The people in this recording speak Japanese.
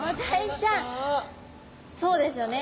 そうですよね